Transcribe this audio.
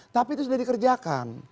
tapi itu sudah dikerjakan